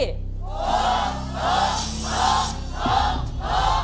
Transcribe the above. หัวเผา